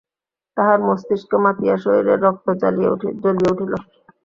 তাহার মস্তিষ্ক মাতিয়া শরীরের রক্ত জ্বলিয়া উঠিল।